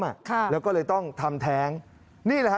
ค่ะแล้วก็เลยต้องทำแท้งนี่แหละฮะ